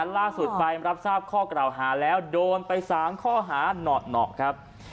ล่าสุดไปรับทราบข้อกล่าวหาแล้วโดนไป๓ข้อหาเหนอครับ